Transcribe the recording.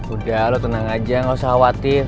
udah lo tenang aja gausah khawatir